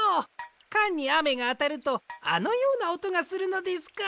カンにあめがあたるとあのようなおとがするのですか。